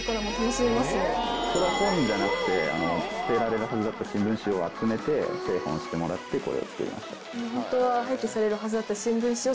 これは本じゃなくて捨てられるはずだった新聞紙を集めて製本してもらってこれを作りました。